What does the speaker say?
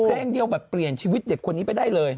เพลงเดียวแบบเปลี่ยนชีวิตเด็กคนนี้ไปได้เลย